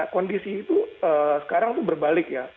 kondisi itu sekarang itu berbalik ya